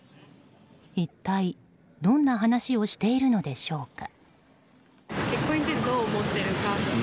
一体、どんな話をしているのでしょうか。